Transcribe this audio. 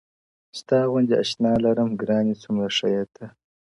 ستا غوندي اشنا لرم ;گراني څومره ښه يې ته;